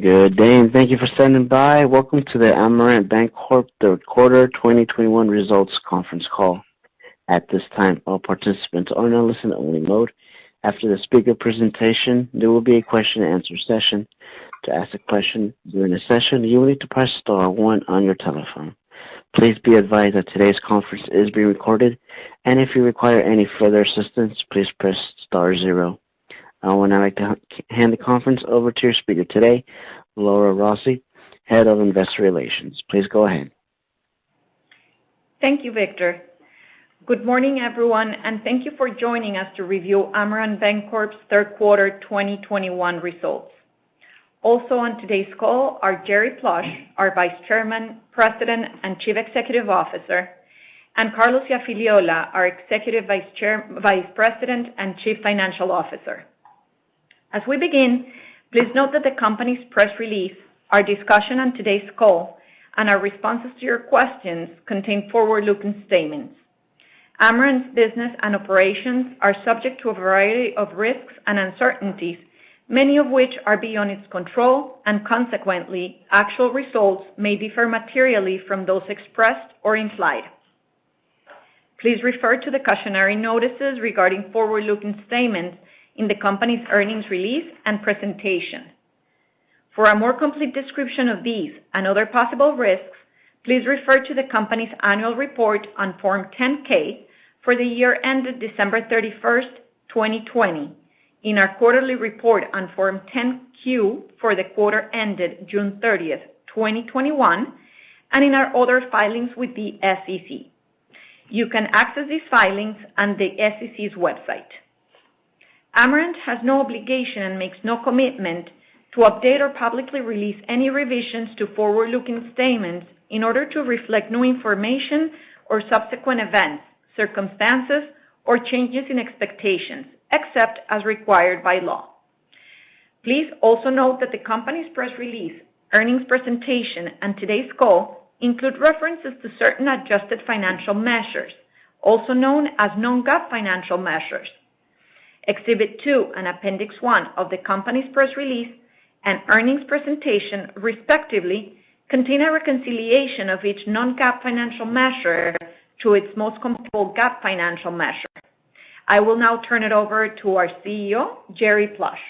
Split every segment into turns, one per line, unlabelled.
Good day. Thank you for standing by. Welcome to the Amerant Bancorp Third Quarter 2021 Results Conference Call. At this time, all participants are in a listen-only mode. After the speaker presentation, there will be a question and answer session. To ask a question during the session, you will need to Press Star one on your telephone. Please be advised that today's conference is being recorded. If you require any further assistance, please Press Star zero. I would like to hand the conference over to your speaker today, Laura Rossi, Head of Investor Relations. Please go ahead.
Thank you, Victor. Good morning, everyone, and thank you for joining us to review Amerant Bancorp's third quarter 2021 results. Also on today's call are Jerry Plush, our Vice Chairman, President, and Chief Executive Officer, and Carlos Iafigliola, our Executive Vice President and Chief Financial Officer. As we begin, please note that the company's press release, our discussion on today's call, and our responses to your questions contain forward-looking statements. Amerant's business and operations are subject to a variety of risks and uncertainties, many of which are beyond its control, and consequently, actual results may differ materially from those expressed or implied. Please refer to the cautionary notices regarding forward-looking statements in the company's earnings release and presentation. For a more complete description of these and other possible risks, please refer to the company's annual report on Form 10-K for the year ended 31st December 2020, in our quarterly report on Form 10-Q for the quarter ended 30th June 2021, and in our other filings with the SEC. You can access these filings on the SEC's website. Amerant has no obligation and makes no commitment to update or publicly release any revisions to forward-looking statements in order to reflect new information or subsequent events, circumstances, or changes in expectations, except as required by law. Please also note that the company's press release, earnings presentation, and today's call include references to certain adjusted financial measures, also known as non-GAAP financial measures. Exhibit two and appendix one of the company's press release and earnings presentation, respectively, contain a reconciliation of each non-GAAP financial measure to its most comparable GAAP financial measure. I will now turn it over to our CEO, Jerry Plush.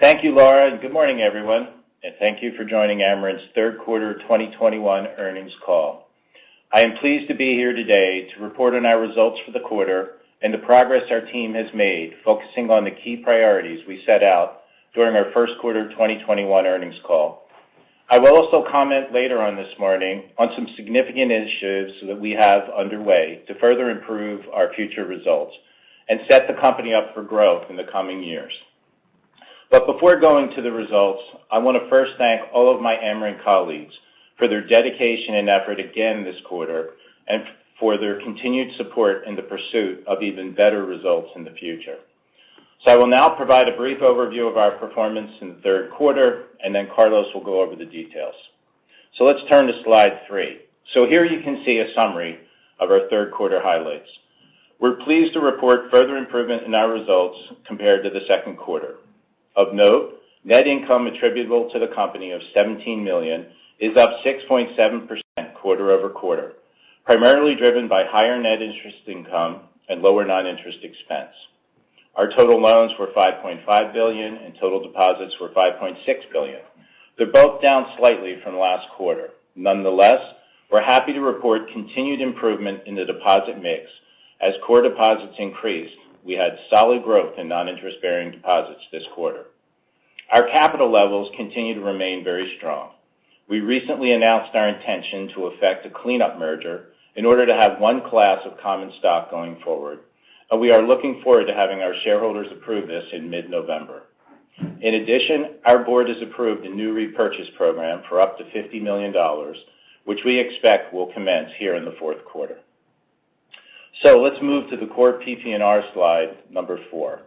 Thank you, Laura, and good morning, everyone, and thank you for joining Amerant's third quarter 2021 earnings call. I am pleased to be here today to report on our results for the quarter and the progress our team has made focusing on the key priorities we set out during our first quarter 2021 earnings call. I will also comment later on this morning on some significant initiatives that we have underway to further improve our future results and set the company up for growth in the coming years. Before going to the results, I want to first thank all of my Amerant colleagues for their dedication and effort again this quarter and for their continued support in the pursuit of even better results in the future. I will now provide a brief overview of our performance in the third quarter, and then Carlos will go over the details. Let's turn to slide three. Here you can see a summary of our third quarter highlights. We're pleased to report further improvement in our results compared to the second quarter. Of note, net income attributable to the company of $17 million is up 6.7% quarter-over-quarter, primarily driven by higher net interest income and lower non-interest expense. Our total loans were $5.5 billion and total deposits were $5.6 billion. They're both down slightly from last quarter. Nonetheless, we're happy to report continued improvement in the deposit mix. As core deposits increased, we had solid growth in non-interest-bearing deposits this quarter. Our capital levels continue to remain very strong. We recently announced our intention to effect a cleanup merger in order to have one class of common stock going forward, and we are looking forward to having our shareholders approve this in mid-November. Our board has approved a new repurchase program for up to $50 million, which we expect will commence here in the fourth quarter. Let's move to the core PPNR slide number four.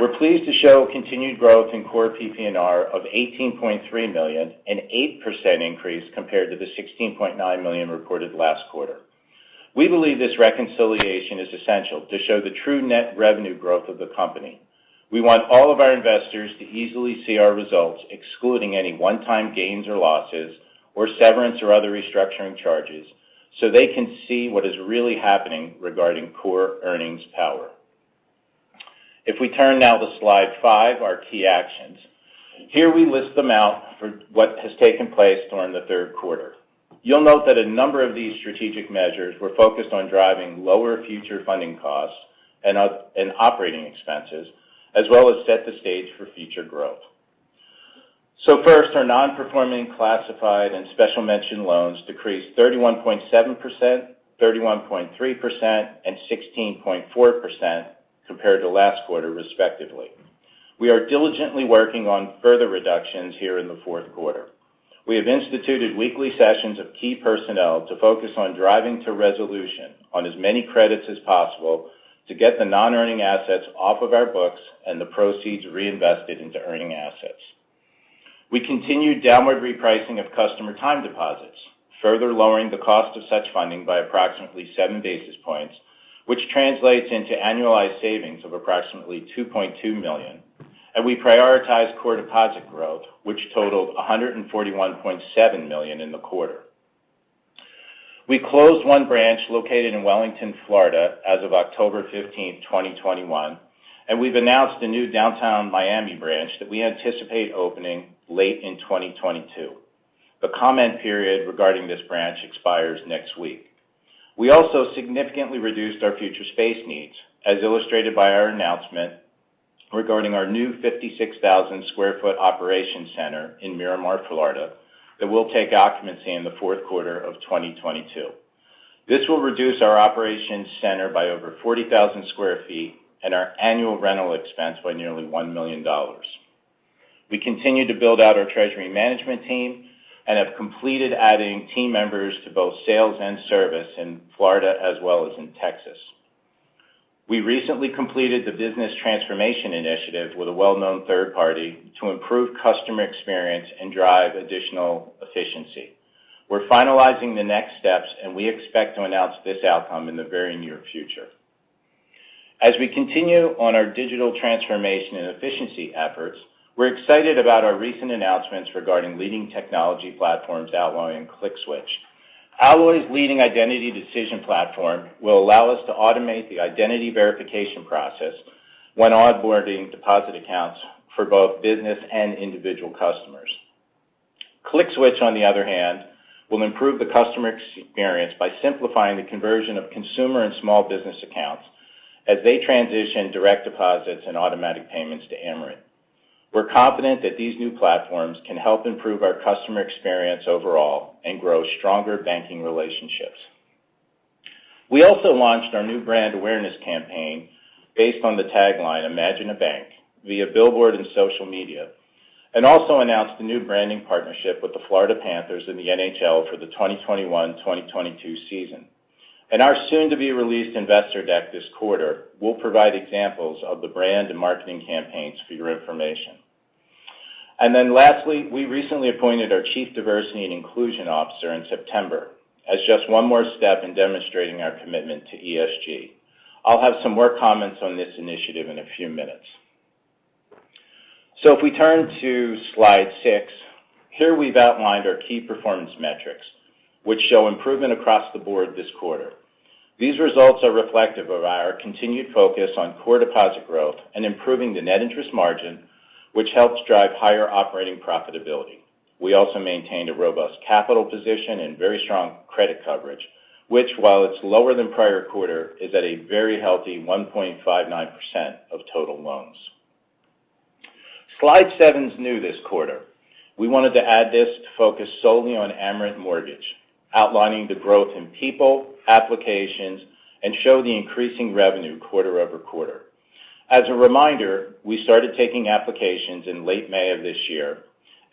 We're pleased to show continued growth in core PPNR of $18.3 million, an 8% increase compared to the $16.9 million reported last quarter. We believe this reconciliation is essential to show the true net revenue growth of the company. We want all of our investors to easily see our results, excluding any one-time gains or losses, or severance or other restructuring charges, so they can see what is really happening regarding core earnings power. We turn now to slide five, our key actions. Here we list them out for what has taken place during the third quarter. You'll note that a number of these strategic measures were focused on driving lower future funding costs and operating expenses, as well as set the stage for future growth. First, our non-performing, classified, and special mention loans decreased 31.7%, 31.3%, and 16.4% compared to last quarter, respectively. We are diligently working on further reductions here in the fourth quarter. We have instituted weekly sessions of key personnel to focus on driving to resolution on as many credits as possible to get the non-earning assets off of our books and the proceeds reinvested into earning assets. We continued downward repricing of customer time deposits, further lowering the cost of such funding by approximately 7 basis points, which translates into annualized savings of approximately $2.2 million. We prioritized core deposit growth, which totaled $141.7 million in the quarter. We closed 1 branch located in Wellington, Florida, as of 15th October 2021. We've announced a new downtown Miami branch that we anticipate opening late in 2022. The comment period regarding this branch expires next week. We also significantly reduced our future space needs, as illustrated by our announcement regarding our new 56,000 sq ft operation center in Miramar, Florida, that will take occupancy in the fourth quarter of 2022. This will reduce our operation center by over 40,000 sq ft and our annual rental expense by nearly $1 million. We continue to build out our treasury management team and have completed adding team members to both sales and service in Florida as well as in Texas. We recently completed the business transformation initiative with a well-known third party to improve customer experience and drive additional efficiency. We're finalizing the next steps, and we expect to announce this outcome in the very near future. As we continue on our digital transformation and efficiency efforts, we're excited about our recent announcements regarding leading technology platforms, Alloy and ClickSwitch. Alloy's leading identity decision platform will allow us to automate the identity verification process when onboarding deposit accounts for both business and individual customers. ClickSwitch, on the other hand, will improve the customer experience by simplifying the conversion of consumer and small business accounts as they transition direct deposits and automatic payments to Amerant. We're confident that these new platforms can help improve our customer experience overall and grow stronger banking relationships. We also launched our new brand awareness campaign based on the tagline, "Imagine a bank," via billboard and social media, and also announced a new branding partnership with the Florida Panthers in the NHL for the 2021-2022 season. In our soon-to-be-released investor deck this quarter, we'll provide examples of the brand and marketing campaigns for your information. Lastly, we recently appointed our chief diversity and inclusion officer in September as just one more step in demonstrating our commitment to ESG. I'll have some more comments on this initiative in a few minutes. If we turn to slide six. Here we've outlined our key performance metrics, which show improvement across the board this quarter. These results are reflective of our continued focus on core deposit growth and improving the net interest margin, which helps drive higher operating profitability. We also maintained a robust capital position and very strong credit coverage, which, while it's lower than prior quarter, is at a very healthy 1.59% of total loans. Slide seven's new this quarter. We wanted to add this to focus solely on Amerant Mortgage, outlining the growth in people, applications, and show the increasing revenue quarter-over-quarter. As a reminder, we started taking applications in late May of this year,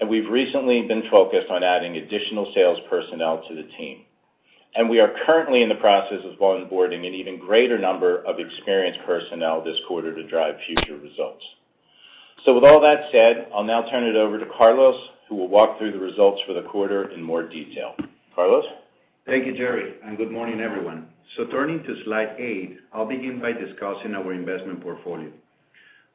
we've recently been focused on adding additional sales personnel to the team. We are currently in the process of onboarding an even greater number of experienced personnel this quarter to drive future results. With all that said, I'll now turn it over to Carlos, who will walk through the results for the quarter in more detail. Carlos?
Thank you, Jerry. Good morning, everyone. Turning to slide eight, I'll begin by discussing our investment portfolio.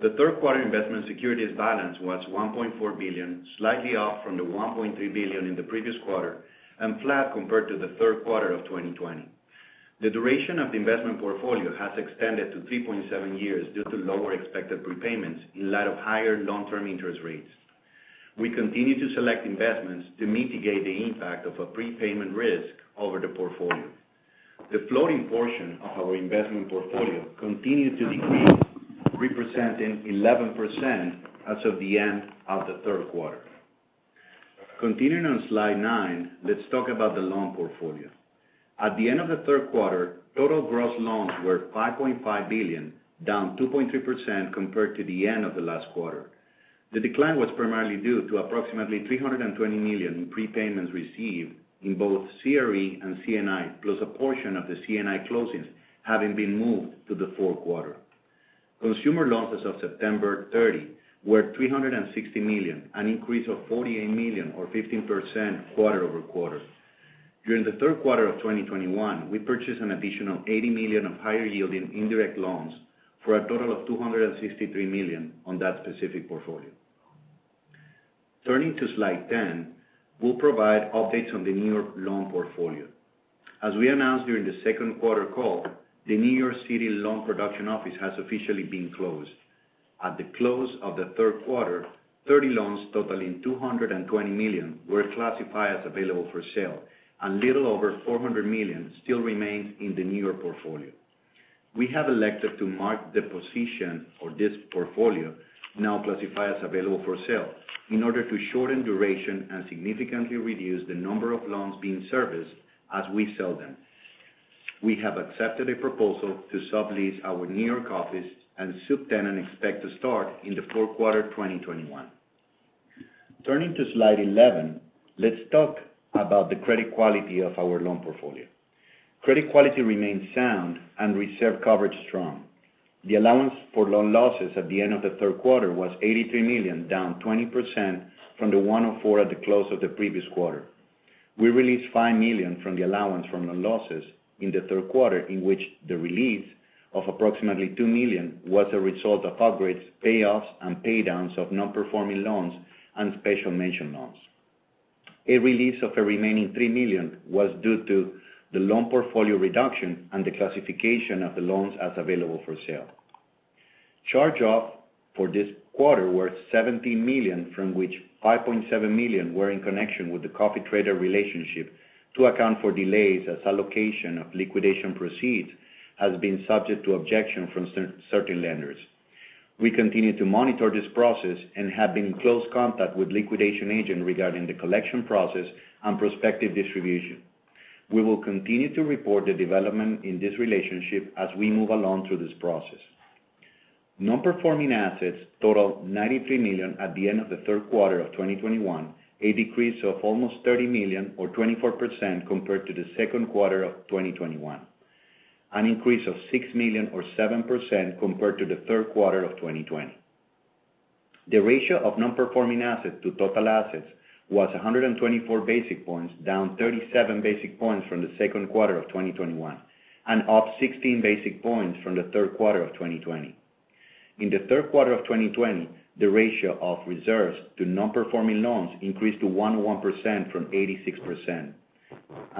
The third quarter investment securities balance was $1.4 billion, slightly up from the $1.3 billion in the previous quarter, and flat compared to the third quarter of 2020. The duration of the investment portfolio has extended to 3.7 years due to lower expected prepayments in light of higher long-term interest rates. We continue to select investments to mitigate the impact of a prepayment risk over the portfolio. The floating portion of our investment portfolio continued to decrease, representing 11% as of the end of the third quarter. Continuing on slide nine, let's talk about the loan portfolio. At the end of the third quarter, total gross loans were $5.5 billion, down 2.3% compared to the end of the last quarter. The decline was primarily due to approximately $320 million in prepayments received in both CRE and C&I, plus a portion of the C&I closings having been moved to the fourth quarter. Consumer loans as of September 30th were $360 million, an increase of $48 million or 15% quarter-over-quarter. During the third quarter of 2021, we purchased an additional $80 million of higher yielding indirect loans for a total of $263 million on that specific portfolio. Turning to slide 10, we'll provide updates on the New York loan portfolio. As we announced during the second quarter call, the New York City loan production office has officially been closed. At the close of the third quarter, 30 loans totaling $220 million were classified as available for sale, and little over $400 million still remains in the New York portfolio. We have elected to mark the position of this portfolio now classified as available for sale in order to shorten duration and significantly reduce the number of loans being serviced as we sell them. We have accepted a proposal to sublease our New York office, and subtenant expect to start in the fourth quarter 2021. Turning to slide 11, let's talk about the credit quality of our loan portfolio. Credit quality remains sound and reserve coverage strong. The allowance for loan losses at the end of the third quarter was $83 million, down 20% from the $104 at the close of the previous quarter. We released $5 million from the allowance from the losses in the third quarter, in which the release of approximately $2 million was a result of upgrades, payoffs, and pay downs of non-performing loans and special mention loans. A release of a remaining $3 million was due to the loan portfolio reduction and the classification of the loans as available for sale. Charge-off for this quarter were $17 million, from which $5.7 million were in connection with the coffee trader relationship to account for delays as allocation of liquidation proceeds has been subject to objection from certain lenders. We continue to monitor this process and have been in close contact with liquidation agent regarding the collection process and prospective distribution. We will continue to report the development in this relationship as we move along through this process. Non-performing assets total $93 million at the end of the third quarter of 2021, a decrease of almost $30 million or 24% compared to the second quarter of 2021. An increase of $6 million or 7% compared to the third quarter of 2020. The ratio of non-performing assets to total assets was 124 basis points, down 37 basis points from the second quarter of 2021, and up 16 basis points from the third quarter of 2020. In the third quarter of 2020, the ratio of reserves to non-performing loans increased to 101% from 86% in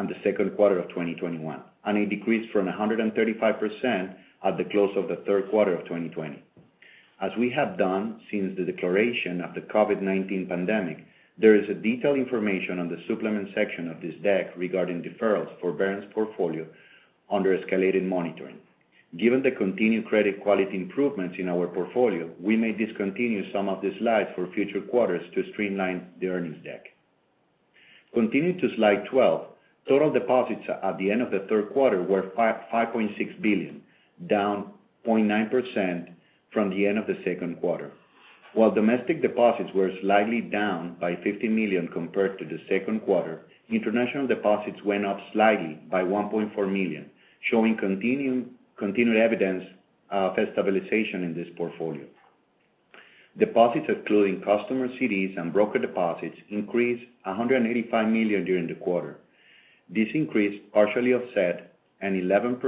the second quarter of 2021, and a decrease from 135% at the close of the third quarter of 2020. As we have done since the declaration of the COVID-19 pandemic, there is a detailed information on the supplement section of this deck regarding deferrals, forbearance portfolio under escalated monitoring. Given the continued credit quality improvements in our portfolio, we may discontinue some of the slides for future quarters to streamline the earnings deck. Continuing to slide 12, total deposits at the end of the third quarter were $5.6 billion, down 0.9% from the end of the second quarter. While domestic deposits were slightly down by $50 million compared to the second quarter, international deposits went up slightly by $1.4 million, showing continued evidence of stabilization in this portfolio. Deposits, including customer CDs and broker deposits, increased $185 million during the quarter. This increase partially offset an 11%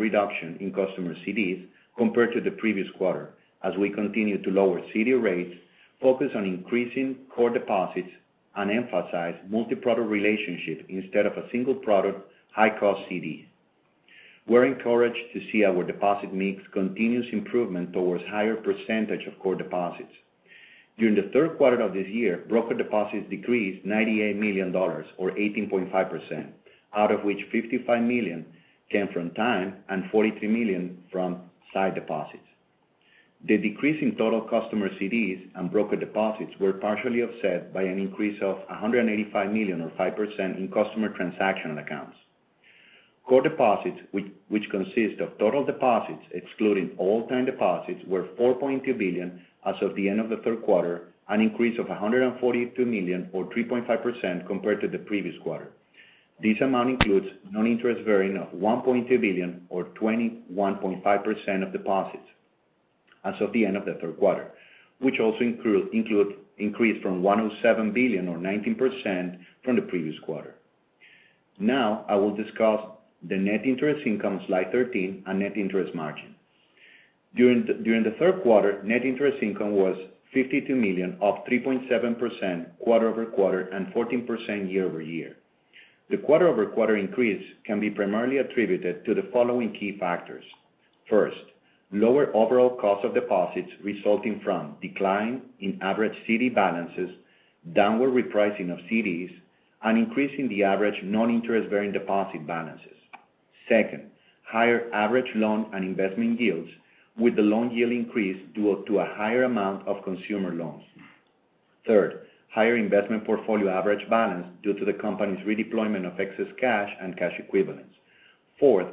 reduction in customer CDs compared to the previous quarter as we continue to lower CD rates, focus on increasing core deposits, and emphasize multi-product relationship instead of a single product, high-cost CD. We're encouraged to see our deposit mix continuous improvement towards higher percentage of core deposits. During the third quarter of this year, broker deposits decreased $98 million or 18.5%, out of which $55 million came from time and $43 million from side deposits. The decrease in total customer CDs and broker deposits were partially offset by an increase of $185 million or 5% in customer transactional accounts. Core deposits, which consist of total deposits excluding all time deposits, were $4.2 billion as of the end of the third quarter, an increase of $142 million or 3.5% compared to the previous quarter. This amount includes non-interest bearing of $1.2 billion or 21.5% of deposits as of the end of the third quarter, which also increased from $1.07 billion or 19% from the previous quarter. I will discuss the net interest income, slide 13, and net interest margin. During the third quarter, net interest income was $52 million, up 3.7% quarter-over-quarter and 14% year-over-year. The quarter-over-quarter increase can be primarily attributed to the following key factors. First, lower overall cost of deposits resulting from decline in average CD balances, downward repricing of CDs, and increasing the average non-interest bearing deposit balances. Second, higher average loan and investment yields with the loan yield increase due to a higher amount of consumer loans. Third, higher investment portfolio average balance due to the company's redeployment of excess cash and cash equivalents. Fourth,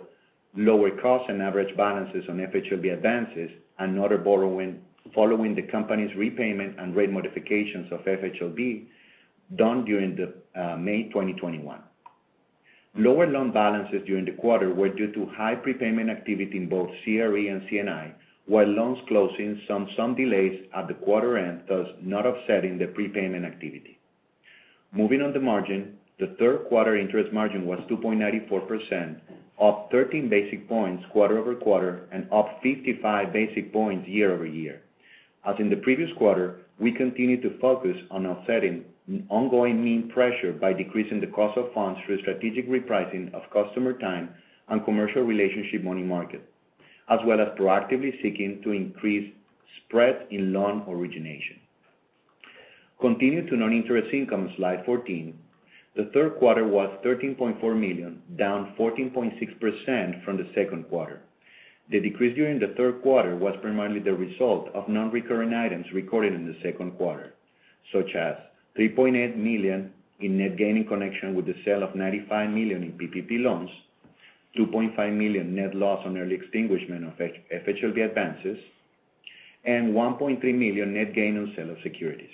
lower cost and average balances on FHLB advances and other borrowing following the company's repayment and rate modifications of FHLB done during May 2021. Lower loan balances during the quarter were due to high prepayment activity in both CRE and C&I, while loans closing some delays at the quarter end, thus not offsetting the prepayment activity. Moving on the margin, the third quarter interest margin was 2.94%, up 13 basis points quarter-over-quarter, and up 55 basis points year-over-year. As in the previous quarter, we continued to focus on offsetting ongoing mean pressure by decreasing the cost of funds through strategic repricing of customer time and commercial relationship money market, as well as proactively seeking to increase spread in loan origination. Continuing to non-interest income, slide 14. The third quarter was $13.4 million, down 14.6% from the second quarter. The decrease during the third quarter was primarily the result of non-recurring items recorded in the second quarter, such as $3.8 million in net gain in connection with the sale of $95 million in PPP loans, $2.5 million net loss on early extinguishment of FHLB advances. $1.3 million net gain on sale of securities.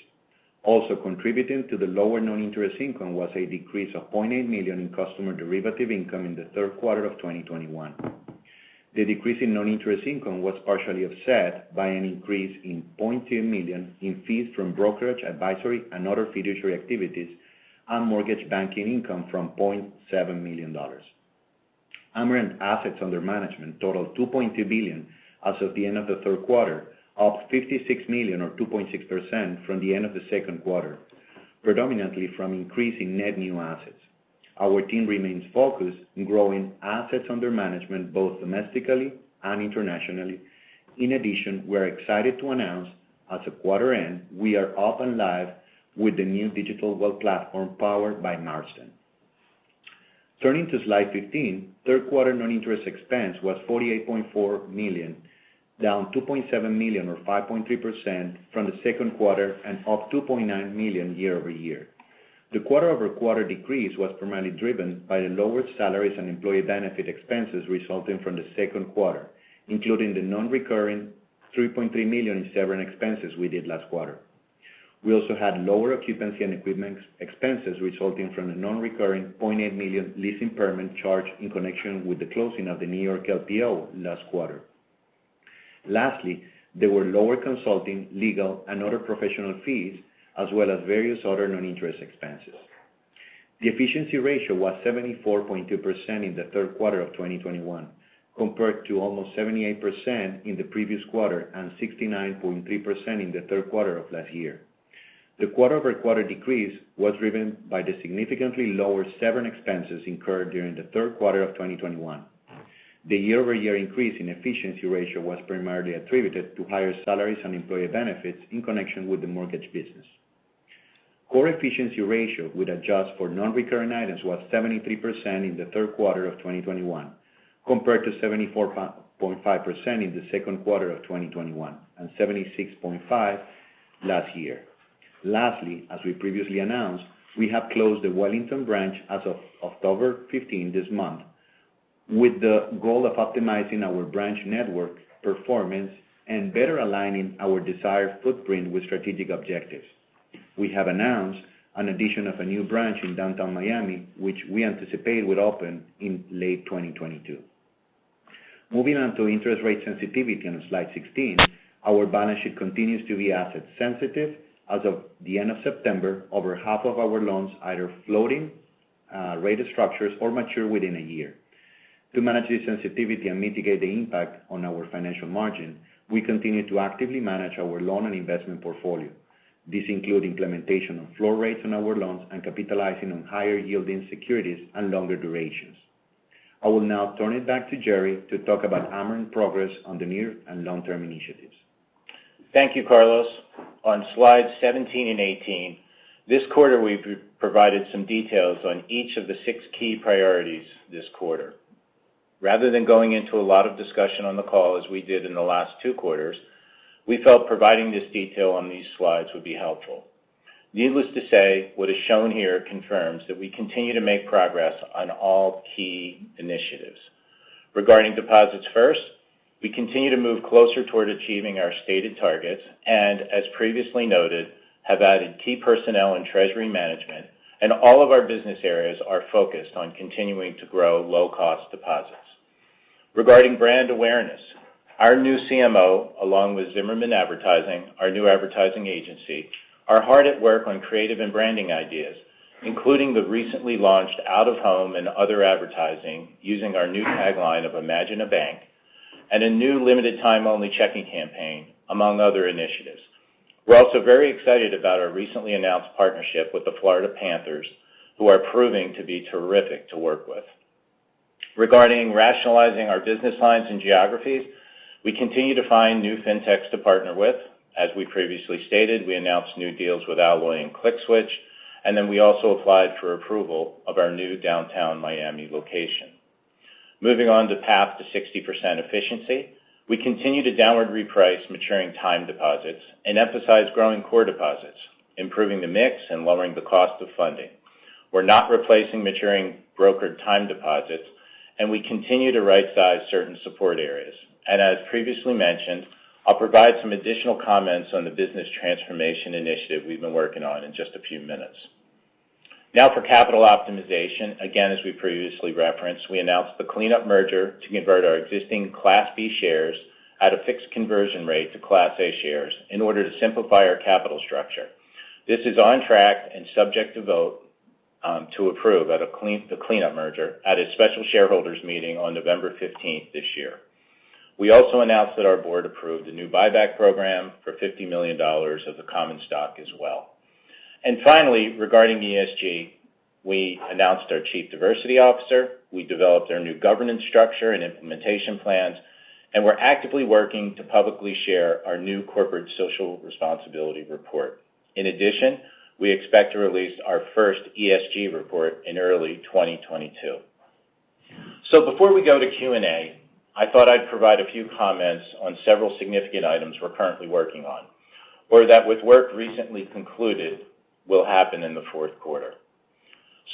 Also contributing to the lower non-interest income was a decrease of $0.8 million in customer derivative income in the third quarter of 2021. The decrease in non-interest income was partially offset by an increase in $0.2 million in fees from brokerage, advisory and other fiduciary activities, and mortgage banking income from $0.7 million. Amerant assets under management totaled $2.2 billion as of the end of the third quarter, up $56 million or 2.6% from the end of the second quarter, predominantly from increase in net new assets. Our team remains focused in growing assets under management both domestically and internationally. In addition, we're excited to announce as of quarter end, we are up and live with the new digital wealth platform powered by Marstone. Turning to slide 15, third quarter non-interest expense was $48.4 million, down $2.7 million or 5.3% from the second quarter, and up $2.9 million year-over-year. The quarter-over-quarter decrease was primarily driven by the lower salaries and employee benefit expenses resulting from the second quarter, including the non-recurring $3.3 million in severance expenses we did last quarter. We also had lower occupancy and equipment expenses resulting from the non-recurring $0.8 million lease impairment charge in connection with the closing of the New York LPO last quarter. Lastly, there were lower consulting, legal and other professional fees, as well as various other non-interest expenses. The efficiency ratio was 74.2% in the third quarter of 2021, compared to almost 78% in the previous quarter and 69.3% in the third quarter of last year. The quarter-over-quarter decrease was driven by the significantly lower severance expenses incurred during the third quarter of 2021. The year-over-year increase in efficiency ratio was primarily attributed to higher salaries and employee benefits in connection with the mortgage business. Core efficiency ratio with adjust for non-recurring items was 73% in the third quarter of 2021 compared to 74.5% in the second quarter of 2021, and 76.5% last year. Lastly, as we previously announced, we have closed the Wellington branch as of October 15th this month with the goal of optimizing our branch network performance and better aligning our desired footprint with strategic objectives. We have announced an addition of a new branch in downtown Miami, which we anticipate would open in late 2022. Moving on to interest rate sensitivity on slide 16. Our balance sheet continues to be asset sensitive. As of the end of September, over half of our loans either floating rate structures or mature within a year. To manage the sensitivity and mitigate the impact on our financial margin, we continue to actively manage our loan and investment portfolio. This include implementation of floor rates on our loans and capitalizing on higher yielding securities and longer durations. I will now turn it back to Jerry to talk about Amerant progress on the near and long-term initiatives.
Thank you, Carlos. On slide 17 and 18, this quarter we've provided some details on each of the six key priorities this quarter. Rather than going into a lot of discussion on the call as we did in the last two quarters, we felt providing this detail on these slides would be helpful. Needless to say, what is shown here confirms that we continue to make progress on all key initiatives. Regarding deposits first, we continue to move closer toward achieving our stated targets and, as previously noted, have added key personnel in treasury management, and all of our business areas are focused on continuing to grow low-cost deposits. Regarding brand awareness, our new CMO, along with Zimmerman Advertising, our new advertising agency, are hard at work on creative and branding ideas, including the recently launched out of home and other advertising using our new tagline of Imagine a Bank, and a new limited time only checking campaign, among other initiatives. We're also very excited about our recently announced partnership with the Florida Panthers, who are proving to be terrific to work with. Regarding rationalizing our business lines and geographies, we continue to find new fintechs to partner with. As we previously stated, we announced new deals with Alloy and ClickSwitch. We also applied for approval of our new downtown Miami location. Moving on to path to 60% efficiency. We continue to downward reprice maturing time deposits and emphasize growing core deposits, improving the mix and lowering the cost of funding. We're not replacing maturing brokered time deposits, and we continue to right size certain support areas. As previously mentioned, I'll provide some additional comments on the business transformation initiative we've been working on in just a few minutes. Now for capital optimization. Again, as we previously referenced, we announced the cleanup merger to convert our existing Class B shares at a fixed conversion rate to Class A shares in order to simplify our capital structure. This is on track and subject to vote, to approve the cleanup merger at a special shareholders meeting on November 15th this year. We also announced that our board approved a new buyback program for $50 million of the common stock as well. Finally, regarding ESG, we announced our Chief Diversity Officer. We developed our new governance structure and implementation plans, and we're actively working to publicly share our new corporate social responsibility report. In addition, we expect to release our first ESG report in early 2022. Before we go to Q&A, I thought I'd provide a few comments on several significant items we're currently working on. That with work recently concluded, will happen in the fourth quarter.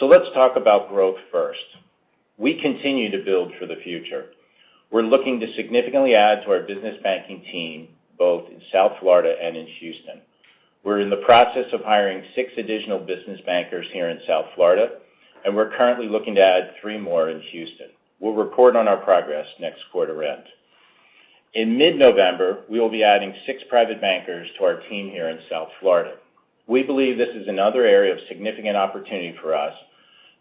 Let's talk about growth first. We continue to build for the future. We're looking to significantly add to our business banking team, both in South Florida and in Houston. We're in the process of hiring six additional business bankers here in South Florida, and we're currently looking to add three more in Houston. We'll report on our progress next quarter end. In mid-November, we will be adding six private bankers to our team here in South Florida. We believe this is another area of significant opportunity for us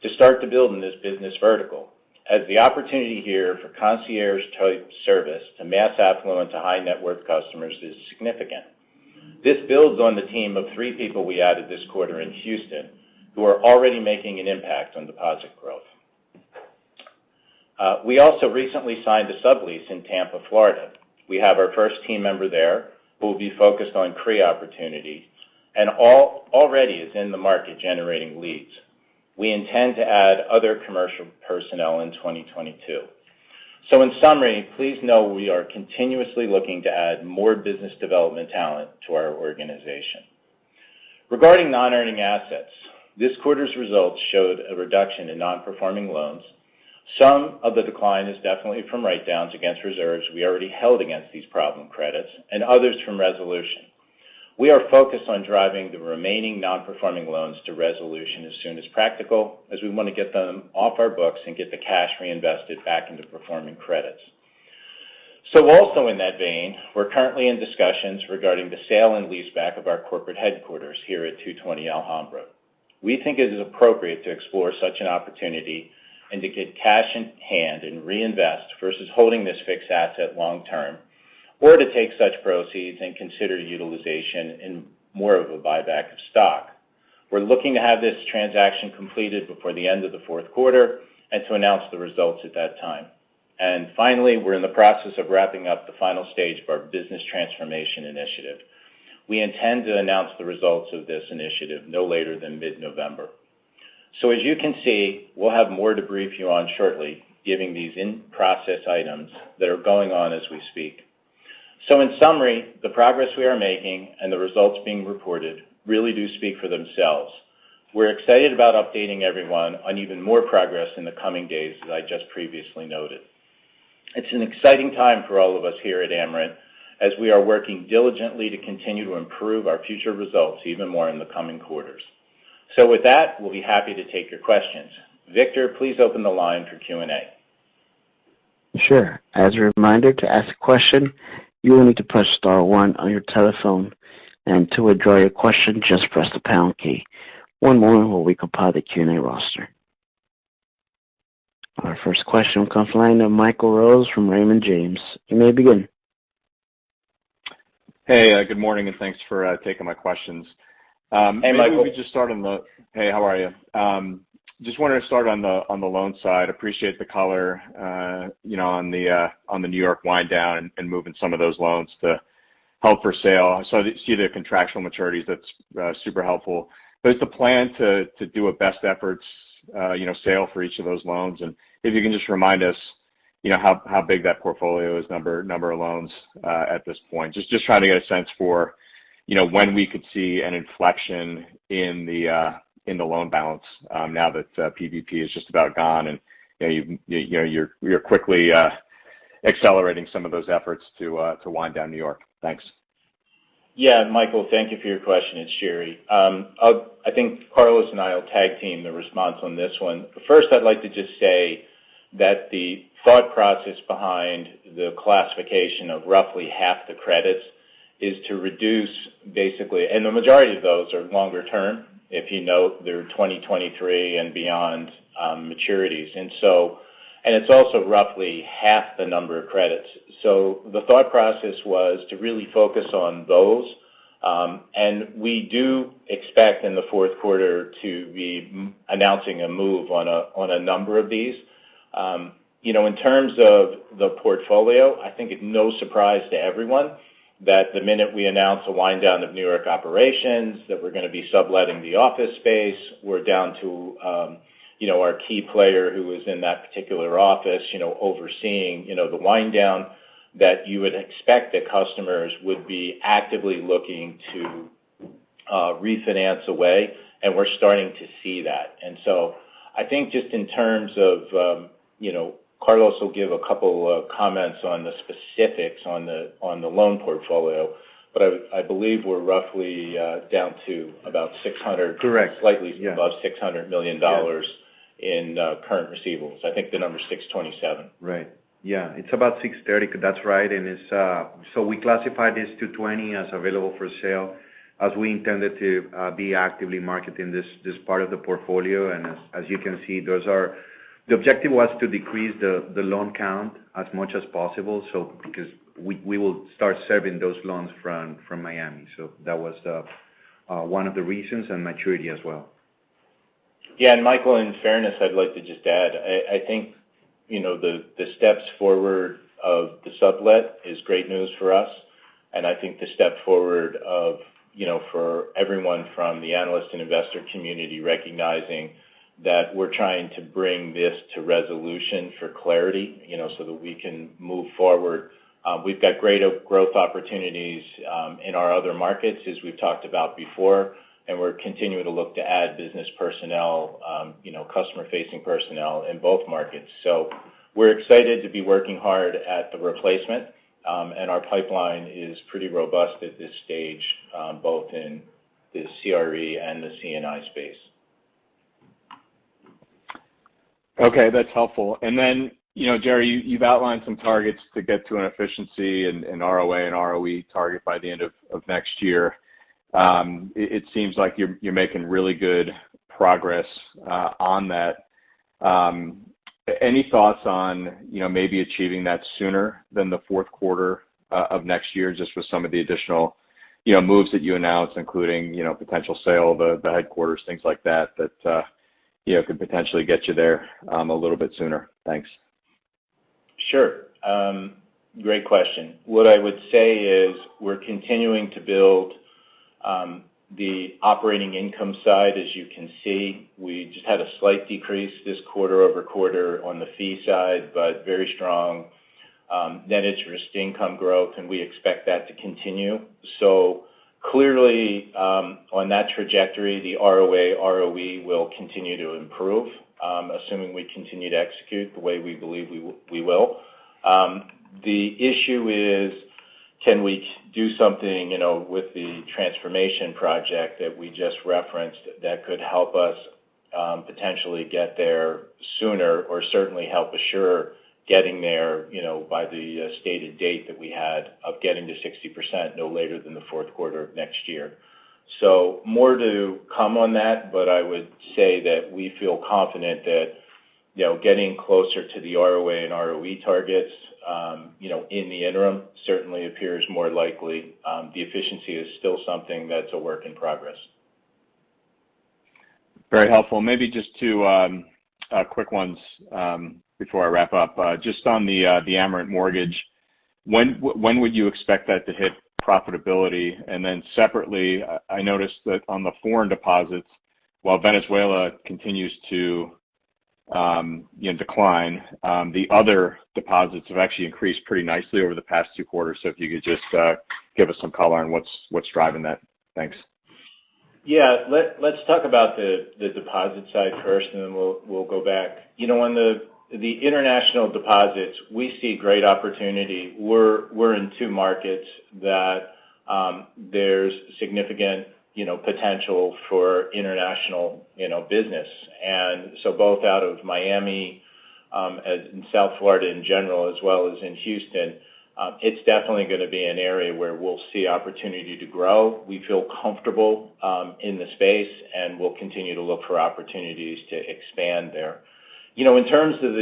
to start to build in this business vertical, as the opportunity here for concierge-type service to mass affluent, to high-net-worth customers is significant. This builds on the team of three people we added this quarter in Houston who are already making an impact on deposit growth. We also recently signed a sublease in Tampa, Florida. We have our first team member there who will be focused on CRE opportunities and already is in the market generating leads. We intend to add other commercial personnel in 2022. In summary, please know we are continuously looking to add more business development talent to our organization. Regarding non-earning assets, this quarter's results showed a reduction in non-performing loans. Some of the decline is definitely from write-downs against reserves we already held against these problem credits, and others from resolution. We are focused on driving the remaining non-performing loans to resolution as soon as practical, as we want to get them off our books and get the cash reinvested back into performing credits. Also in that vein, we're currently in discussions regarding the sale and leaseback of our corporate headquarters here at 220 Alhambra. We think it is appropriate to explore such an opportunity and to get cash in hand and reinvest versus holding this fixed asset long term, or to take such proceeds and consider utilization in more of a buyback of stock. We're looking to have this transaction completed before the end of the fourth quarter and to announce the results at that time. Finally, we're in the process of wrapping up the final stage of our business transformation initiative. We intend to announce the results of this initiative no later than mid-November. As you can see, we'll have more to brief you on shortly, giving these in-process items that are going on as we speak. In summary, the progress we are making and the results being reported really do speak for themselves. We're excited about updating everyone on even more progress in the coming days, as I just previously noted. It's an exciting time for all of us here at Amerant as we are working diligently to continue to improve our future results even more in the coming quarters. With that, we'll be happy to take your questions. Victor, please open the line for Q&A.
Sure. As a reminder, to ask a question, you will need to press star one on your telephone, and to withdraw your question, just press the pound key. One moment while we compile the Q&A roster. Our first question comes from the line of Michael Rose from Raymond James. You may begin.
Hey, good morning, and thanks for taking my questions.
Hey, Michael.
Maybe we could just start. Hey, how are you? Just wanted to start on the loans side. Appreciate the color on the N.Y. wind down and moving some of those loans to held for sale. I see the contractual maturities. That's super helpful. Is the plan to do a best efforts sale for each of those loans? If you can just remind us how big that portfolio is, number of loans at this point. Just trying to get a sense for when we could see an inflection in the loan balance now that PVP is just about gone and you're quickly accelerating some of those efforts to wind down N.Y. Thanks.
Yeah, Michael, thank you for your question. It's Jerry. I think Carlos and I will tag team the response on this one. First, I'd like to just say that the thought process behind the classification of roughly half the credits is to reduce and the majority of those are longer term. If you note, they're 2023 and beyond maturities. It's also roughly half the number of credits. The thought process was to really focus on those. We do expect in the fourth quarter to be announcing a move on a number of these. In terms of the portfolio, I think it's no surprise to everyone that the minute we announce a wind down of N.Y. operations, that we're going to be subletting the office space. We're down to our key player who was in that particular office overseeing the wind down, that you would expect that customers would be actively looking to refinance away, and we're starting to see that. Carlos will give a couple of comments on the specifics on the loan portfolio. I believe we're roughly down to about 600-
Correct. Yeah. Slightly above $600 million. Yeah
in current receivables. I think the number is $627.
Right. Yeah. It's about 630. That's right. We classified this 220 as available for sale as we intended to be actively marketing this part of the portfolio. As you can see, the objective was to decrease the loan count as much as possible because we will start serving those loans from Miami. That was one of the reasons, and maturity as well.
Yeah. Michael, in fairness, I'd like to just add. I think the steps forward of the sublet is great news for us. I think the step forward for everyone from the analyst and investor community, recognizing that we're trying to bring this to resolution for clarity so that we can move forward. We've got great growth opportunities in our other markets, as we've talked about before, and we're continuing to look to add business personnel, customer-facing personnel in both markets. We're excited to be working hard at the replacement. Our pipeline is pretty robust at this stage, both in the CRE and the C&I space.
Okay, that's helpful. Then, Jerry, you've outlined some targets to get to an efficiency and ROA and ROE target by the end of next year. It seems like you're making really good progress on that. Any thoughts on maybe achieving that sooner than the fourth quarter of next year, just with some of the additional moves that you announced, including potential sale of the headquarters, things like that could potentially get you there a little bit sooner? Thanks.
Sure. Great question. What I would say is we're continuing to build the operating income side. As you can see, we just had a slight decrease this quarter-over-quarter on the fee side, but very strong net interest income growth, and we expect that to continue. Clearly, on that trajectory, the ROA, ROE will continue to improve, assuming we continue to execute the way we believe we will. The issue is can we do something with the transformation project that we just referenced that could help us potentially get there sooner or certainly help assure getting there by the stated date that we had of getting to 60% no later than the fourth quarter of next year. More to come on that, but I would say that we feel confident that getting closer to the ROA and ROE targets in the interim certainly appears more likely. The efficiency is still something that's a work in progress.
Very helpful. Maybe just two quick ones before I wrap up. Just on the Amerant Mortgage, when would you expect that to hit profitability? Separately, I noticed that on the foreign deposits, while Venezuela continues to decline, the other deposits have actually increased pretty nicely over the past two quarters. If you could just give us some color on what's driving that. Thanks.
Yeah. Let's talk about the deposit side first, then we'll go back. On the international deposits, we see great opportunity. We're in two markets that there's significant potential for international business. Both out of Miami and South Florida in general, as well as in Houston, it's definitely going to be an area where we'll see opportunity to grow. We feel comfortable in the space, and we'll continue to look for opportunities to expand there. In terms of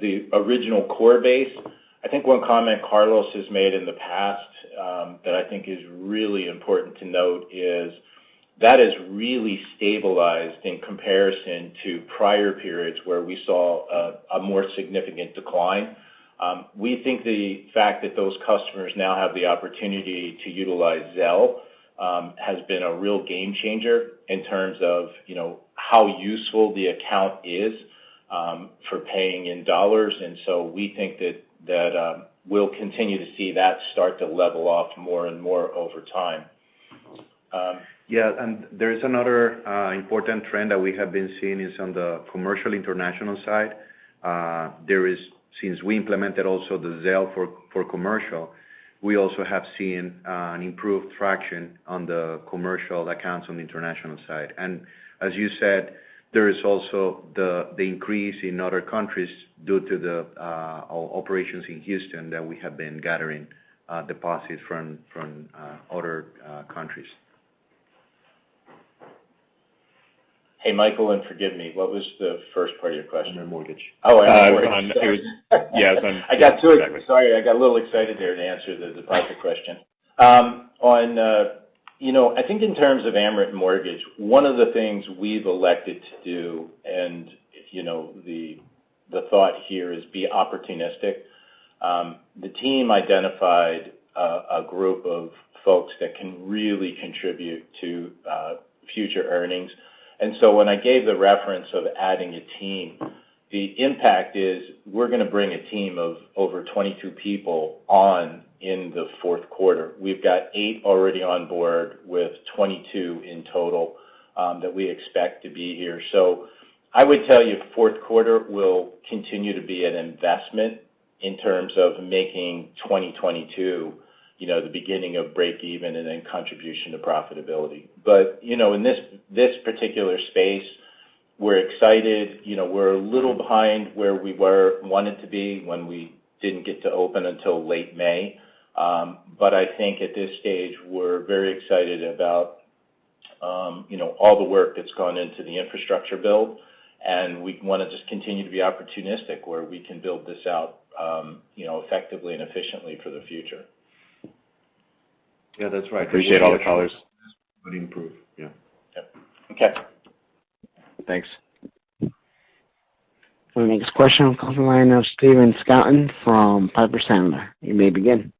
the original core base, I think one comment Carlos has made in the past that I think is really important to note is that has really stabilized in comparison to prior periods where we saw a more significant decline. We think the fact that those customers now have the opportunity to utilize Zelle has been a real game changer in terms of how useful the account is for paying in dollars. We think that we'll continue to see that start to level off more and more over time.
Yeah. There is another important trend that we have been seeing is on the commercial international side. Since we implemented also the Zelle for commercial, we also have seen an improved traction on the commercial accounts on the international side. As you said, there is also the increase in other countries due to the operations in Houston that we have been gathering deposits from other countries.
Hey, Michael, forgive me, what was the first part of your question?
Amerant Mortgage.
It was on-
Oh, I'm sorry.
Yes.
I got too excited. Sorry, I got a little excited there to answer the deposit question. I think in terms of Amerant Mortgage, one of the things we've elected to do, and the thought here is be opportunistic. The team identified a group of folks that can really contribute to future earnings. When I gave the reference of adding a team, the impact is we're going to bring a team of over 22 people on in the fourth quarter. We've got eight already on board, with 22 in total that we expect to be here. I would tell you fourth quarter will continue to be an investment in terms of making 2022 the beginning of breakeven and then contribution to profitability. In this particular space, we're excited. We're a little behind where we wanted to be when we didn't get to open until late May. I think at this stage, we're very excited about all the work that's gone into the infrastructure build, and we want to just continue to be opportunistic where we can build this out effectively and efficiently for the future.
Yeah, that's right.
Appreciate all the colors.
Will improve. Yeah.
Yep. Okay.
Thanks.
For the next question, we'll go to the line of Stephen Scouten from Piper Sandler. You may begin.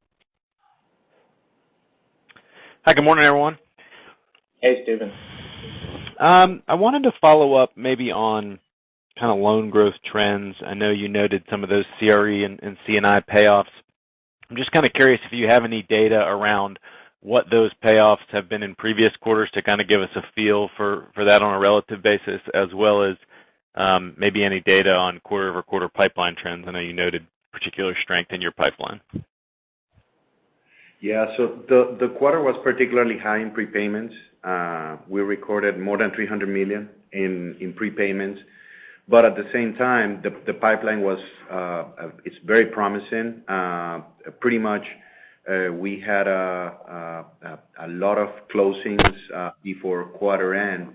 Hi, good morning, everyone.
Hey, Stephen.
I wanted to follow up maybe on kind of loan growth trends. I know you noted some of those CRE and C&I payoffs. I'm just kind of curious if you have any data around what those payoffs have been in previous quarters to kind of give us a feel for that on a relative basis as well as maybe any data on quarter-over-quarter pipeline trends. I know you noted particular strength in your pipeline.
The quarter was particularly high in prepayments. We recorded more than $300 million in prepayments. At the same time, the pipeline is very promising. Pretty much we had a lot of closings before quarter end.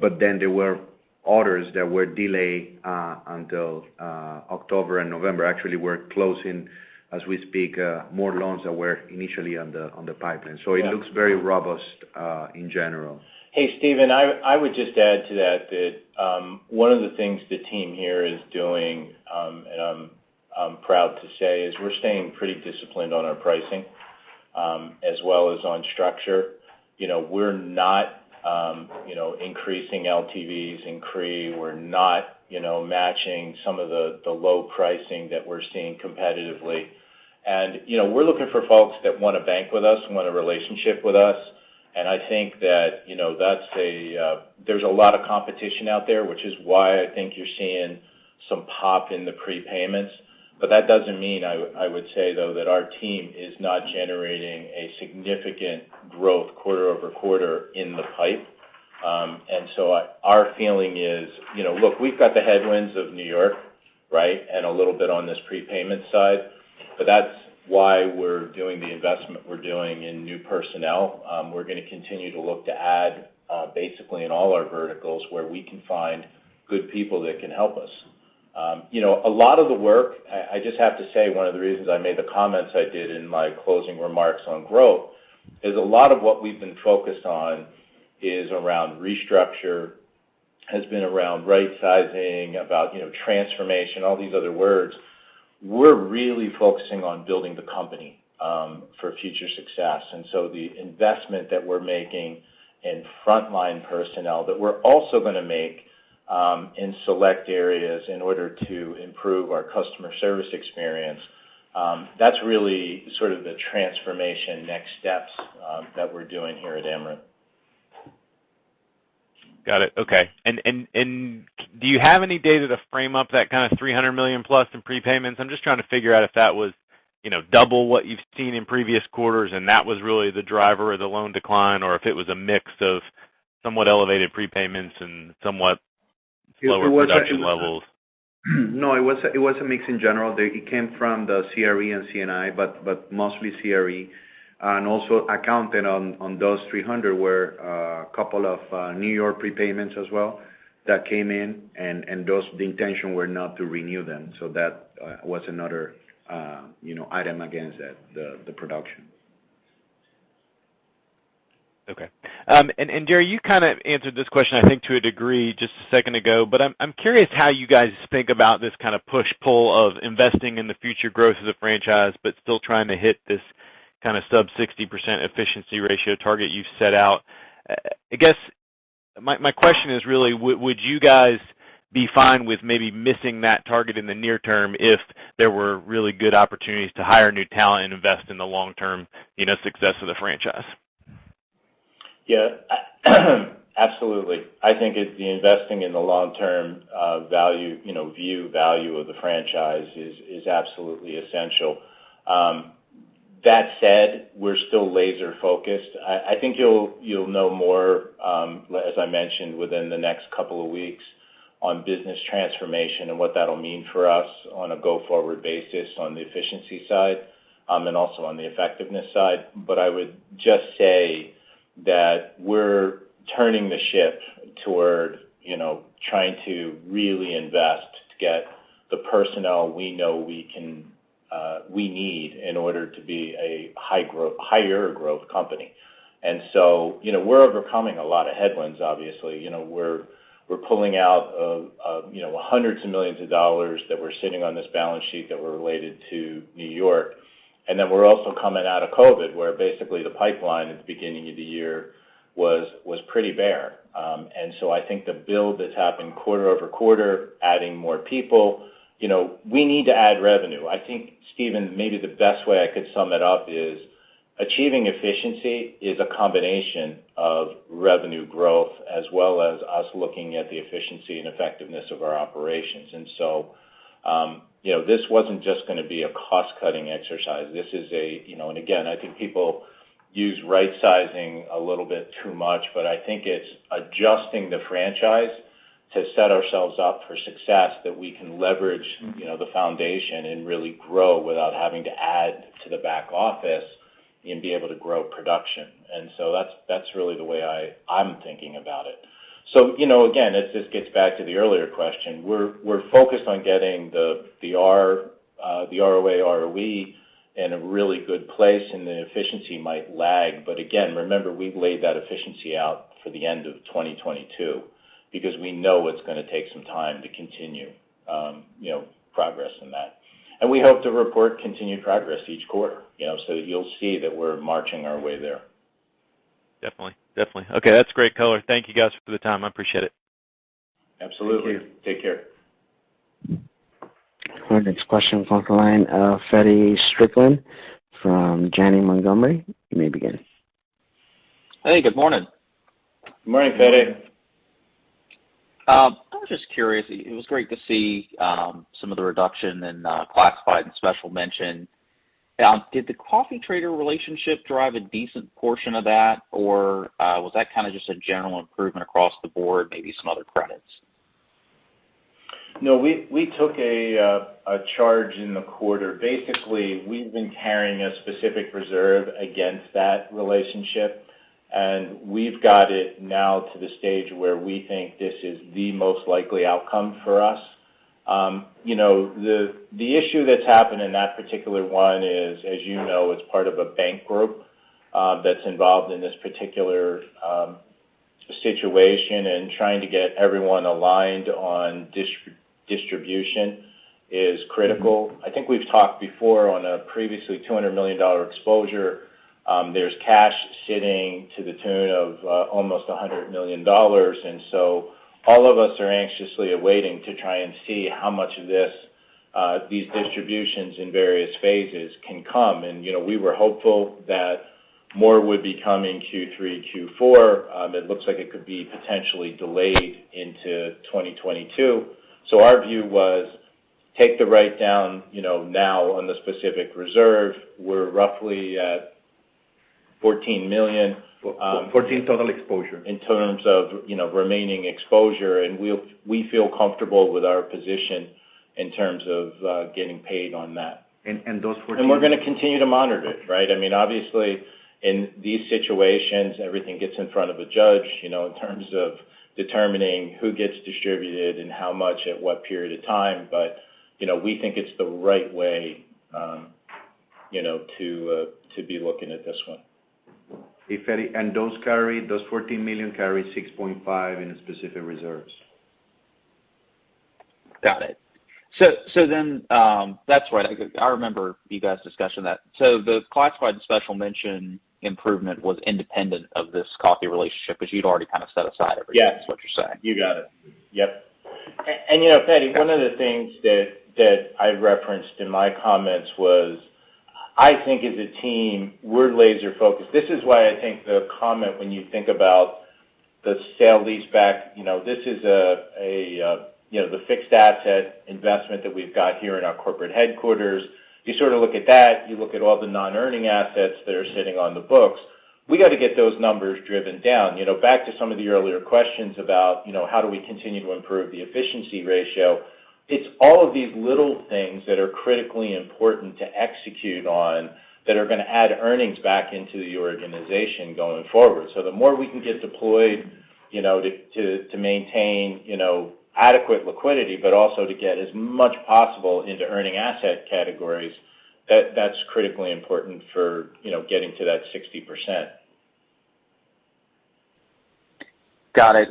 Then there were orders that were delayed until October and November. Actually, we're closing, as we speak, more loans that were initially on the pipeline. It looks very robust in general.
Hey, Stephen, I would just add to that, one of the things the team here is doing, and I'm proud to say, is we're staying pretty disciplined on our pricing as well as on structure. We're not increasing LTVs in CRE. We're not matching some of the low pricing that we're seeing competitively. We're looking for folks that want to bank with us, want a relationship with us. I think that there's a lot of competition out there, which is why I think you're seeing some pop in the prepayments. That doesn't mean, I would say, though, that our team is not generating a significant growth quarter-over-quarter in the pipe. Our feeling is, look, we've got the headwinds of New York, and a little bit on this prepayment side. That's why we're doing the investment we're doing in new personnel. We're going to continue to look to add basically in all our verticals where we can find good people that can help us. I just have to say, one of the reasons I made the comments I did in my closing remarks on growth is a lot of what we've been focused on is around restructure, has been around right-sizing, about transformation, all these other words. We're really focusing on building the company for future success. The investment that we're making in frontline personnel that we're also going to make in select areas in order to improve our customer service experience. That's really sort of the transformation next steps that we're doing here at Amerant.
Got it. Okay. Do you have any data to frame up that kind of $300 million plus in prepayments? I'm just trying to figure out if that was double what you've seen in previous quarters, and that was really the driver of the loan decline, or if it was a mix of somewhat elevated prepayments and somewhat lower production levels.
No, it was a mix in general. It came from the CRE and C&I, but mostly CRE. Also accounting on those $300 were a couple of N.Y. prepayments as well that came in, and the intention were not to renew them. That was another item against the production.
Okay. Jerry, you kind of answered this question, I think to a degree just a second ago, but I'm curious how you guys think about this kind of push-pull of investing in the future growth of the franchise, but still trying to hit this kind of sub 60% efficiency ratio target you've set out. I guess my question is really, would you guys be fine with maybe missing that target in the near term if there were really good opportunities to hire new talent and invest in the long-term success of the franchise?
Yeah. Absolutely. I think the investing in the long-term view value of the franchise is absolutely essential. That said, we're still laser-focused. I think you'll know more, as I mentioned, within the next couple of weeks on business transformation and what that'll mean for us on a go-forward basis on the efficiency side and also on the effectiveness side. I would just say that we're turning the ship toward trying to really invest to get the personnel we know we need in order to be a higher growth company. We're overcoming a lot of headwinds, obviously. We're pulling out hundreds of millions of dollars that were sitting on this balance sheet that were related to New York. We're also coming out of COVID, where basically the pipeline at the beginning of the year was pretty bare. I think the build that's happened quarter-over-quarter, adding more people. We need to add revenue. I think Stephen, maybe the best way I could sum it up is achieving efficiency is a combination of revenue growth as well as us looking at the efficiency and effectiveness of our operations. This wasn't just going to be a cost-cutting exercise. I think people use right-sizing a little bit too much, but I think it's adjusting the franchise to set ourselves up for success that we can leverage the foundation and really grow without having to add to the back office and be able to grow production. That's really the way I'm thinking about it. This gets back to the earlier question. We're focused on getting the ROA, ROE in a really good place, and the efficiency might lag. Again, remember, we've laid that efficiency out for the end of 2022 because we know it's going to take some time to continue progress in that. We hope to report continued progress each quarter. You'll see that we're marching our way there.
Definitely. Okay. That's great color. Thank you guys for the time. I appreciate it.
Absolutely.
Thank you.
Take care.
Our next question comes from the line, Feddie Strickland from Janney Montgomery. You may begin.
Hey, good morning.
Good morning, Feddie.
I was just curious. It was great to see some of the reduction in classified and special mention. Did the coffee trader relationship drive a decent portion of that, or was that kind of just a general improvement across the board, maybe some other credits?
No, we took a charge in the quarter. Basically, we've been carrying a specific reserve against that relationship, and we've got it now to the stage where we think this is the most likely outcome for us. The issue that's happened in that particular one is, as you know, it's part of a bank group that's involved in this particular situation, and trying to get everyone aligned on distribution is critical. I think we've talked before on a previously $200 million exposure. There's cash sitting to the tune of almost $100 million. All of us are anxiously awaiting to try and see how much of these distributions in various phases can come. We were hopeful that more would be coming Q3, Q4. It looks like it could be potentially delayed into 2022. Our view was take the write-down now on the specific reserve. We're roughly at $14 million-
$14 total exposure.
in terms of remaining exposure. We feel comfortable with our position in terms of getting paid on that.
And those-
We're going to continue to monitor it, right? Obviously, in these situations, everything gets in front of a judge, in terms of determining who gets distributed and how much at what period of time. We think it's the right way to be looking at this one.
Hey, Feddie. Those $14 million carry $6.5 in specific reserves.
Got it. That's right. I remember you guys discussing that. The classified and special mention improvement was independent of this C&I relationship because you'd already kind of set aside everything-
Yeah
is what you're saying.
You got it. Yep. Feddie, one of the things that I referenced in my comments was, I think as a team, we're laser-focused. This is why I think the comment when you think about the sale-leaseback, this is the fixed asset investment that we've got here in our corporate headquarters. You sort of look at that, you look at all the non-earning assets that are sitting on the books. We got to get those numbers driven down. Back to some of the earlier questions about how do we continue to improve the efficiency ratio, it's all of these little things that are critically important to execute on that are going to add earnings back into the organization going forward. The more we can get deployed to maintain adequate liquidity, but also to get as much possible into earning asset categories, that's critically important for getting to that 60%.
Got it.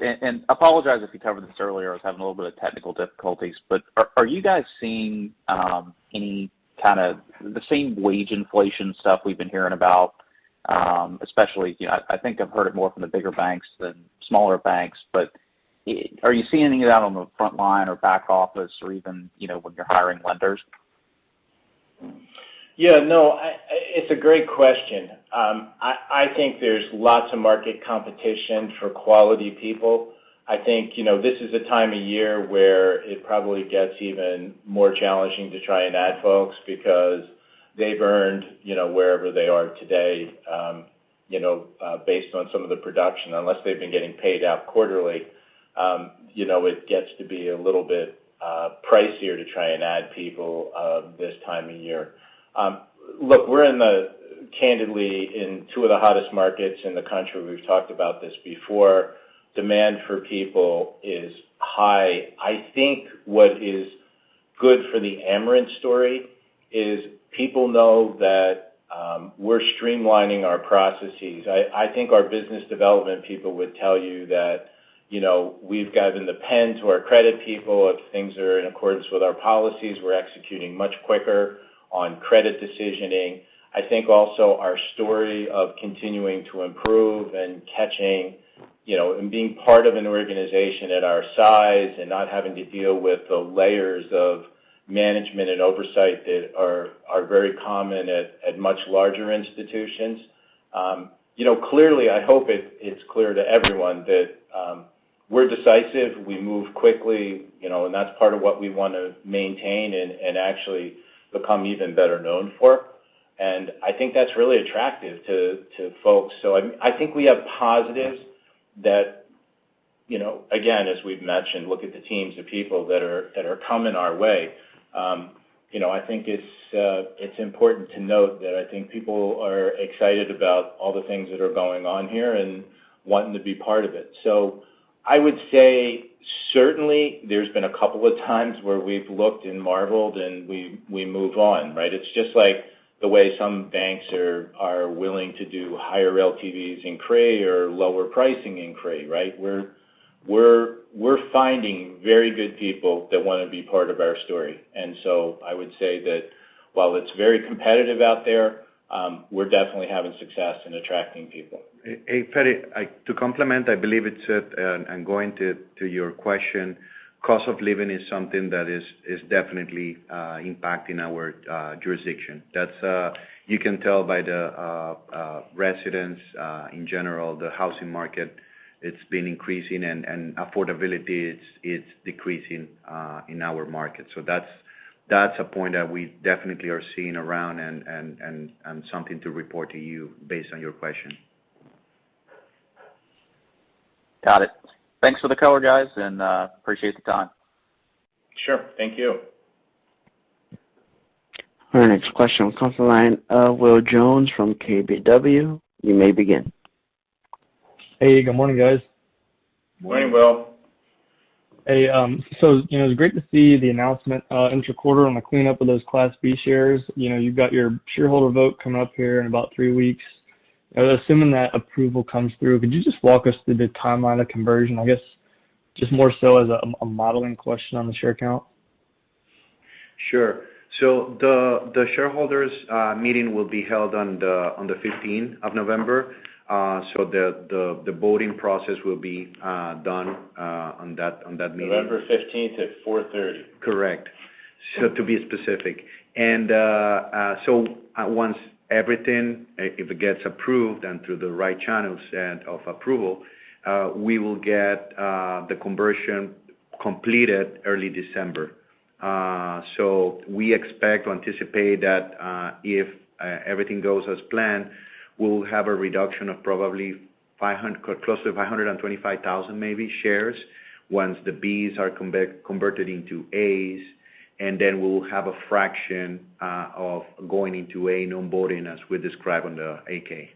Apologize if you covered this earlier. I was having a little bit of technical difficulties. Are you guys seeing the same wage inflation stuff we've been hearing about? Especially, I think I've heard it more from the bigger banks than smaller banks, but are you seeing any of that on the front line or back office or even when you're hiring lenders?
Yeah. No, it's a great question. I think there's lots of market competition for quality people. I think this is a time of year where it probably gets even more challenging to try and add folks because they've earned wherever they are today based on some of the production. Unless they've been getting paid out quarterly, it gets to be a little bit pricier to try and add people this time of year. Look, we're in the, candidly, in two of the hottest markets in the country. We've talked about this before. Demand for people is high. I think what is good for the Amerant story is people know that we're streamlining our processes. I think our business development people would tell you that we've gotten the pens who are credit people. If things are in accordance with our policies, we're executing much quicker on credit decisioning. I think also our story of continuing to improve and catching, and being part of an organization at our size and not having to deal with the layers of management and oversight that are very common at much larger institutions. Clearly, I hope it's clear to everyone that we're decisive, we move quickly, and that's part of what we want to maintain and actually become even better known for. I think that's really attractive to folks. I think we have positives that, again, as we've mentioned, look at the teams of people that are coming our way. I think it's important to note that I think people are excited about all the things that are going on here and wanting to be part of it. I would say certainly there's been a couple of times where we've looked and marveled, and we move on, right? It's just like the way some banks are willing to do higher LTVs in CRE or lower pricing in CRE, right? We're finding very good people that want to be part of our story. I would say that while it's very competitive out there, we're definitely having success in attracting people.
Hey, Feddie, to complement, going to your question, cost of living is something that is definitely impacting our jurisdiction. That's you can tell by the residents in general, the housing market, it's been increasing, and affordability is decreasing in our market. That's a point that we definitely are seeing around and something to report to you based on your question.
Got it. Thanks for the color, guys, and appreciate the time.
Sure. Thank you.
Our next question comes from the line of Will Jones from KBW. You may begin.
Hey, good morning, guys.
Morning, Will.
It was great to see the announcement intra-quarter on the cleanup of those Class B shares. You've got your shareholder vote coming up here in about three weeks. Assuming that approval comes through, could you just walk us through the timeline of conversion? I guess just more so as a modeling question on the share count.
Sure. The shareholders meeting will be held on the 15th of November. The voting process will be done on that meeting.
November 15th at 4:30.
Correct. To be specific. Once everything, if it gets approved and through the right channels of approval, we will get the conversion completed early December. We expect or anticipate that if everything goes as planned, we'll have a reduction of probably close to 525,000 maybe shares once the Bs are converted into As, and then we'll have a fraction of going into A non-voting, as we describe on the 8-K.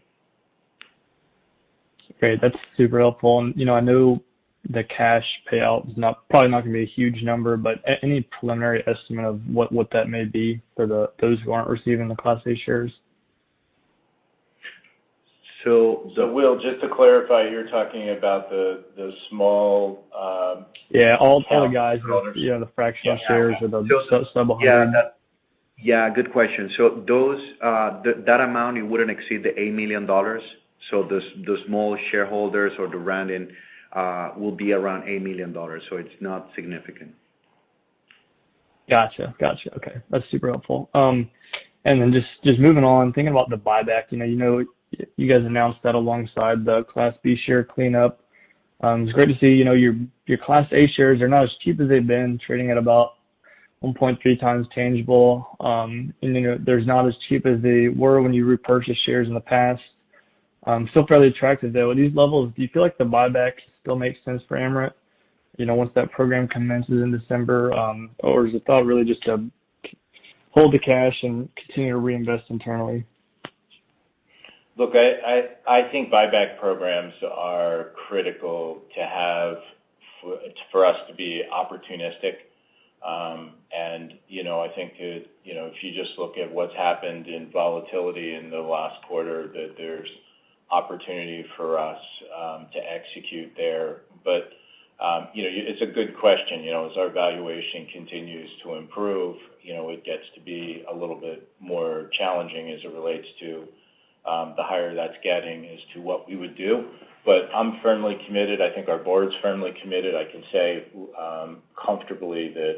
Okay, that's super helpful. I know the cash payout is probably not going to be a huge number, but any preliminary estimate of what that may be for those who aren't receiving the Class A shares?
So-
Will, just to clarify, you're talking about the small-
Yeah.
Shareholders
the fractional shares or the sub 100.
Yeah, good question. That amount, it wouldn't exceed the $8 million. The small shareholders or the rounding will be around $8 million, so it's not significant.
Got you. Okay. That's super helpful. Just moving on, thinking about the buyback. You guys announced that alongside the Class B share cleanup. It's great to see your Class A shares are not as cheap as they've been, trading at about 1.3x tangible. They're not as cheap as they were when you repurchased shares in the past. Still fairly attractive, though. At these levels, do you feel like the buyback still makes sense for Amerant once that program commences in December? Or is the thought really just to hold the cash and continue to reinvest internally?
Look, I think buyback programs are critical to have for us to be opportunistic. I think if you just look at what's happened in volatility in the last quarter, that there's opportunity for us to execute there. It's a good question. As our valuation continues to improve, it gets to be a little bit more challenging as it relates to the higher that's getting as to what we would do. I'm firmly committed. I think our board's firmly committed. I can say comfortably that